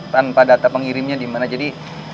tanpa data pengirimnya dimana jadi